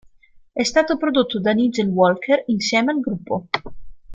È stato prodotto da Nigel Walker insieme al gruppo.